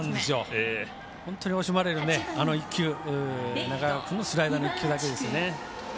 本当に惜しまれるあの１球中川君へのスライダーの１球だけですよね。